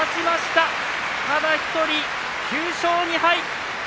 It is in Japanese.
ただ１人、９勝２敗。